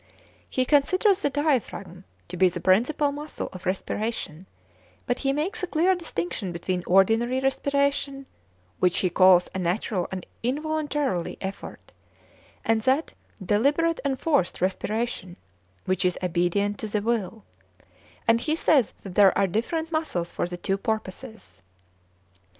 He considers the diaphragm to be the principal muscle of respiration, but he makes a clear distinction between ordinary respiration, which he calls a natural and involuntary effort, and that deliberate and forced respiration which is obedient to the will; and he says that there are different muscles for the two purposes.